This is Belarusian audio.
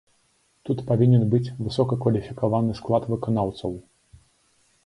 Тут павінен быць высокакваліфікаваны склад выканаўцаў.